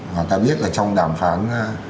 mà ta biết là trong đàm phán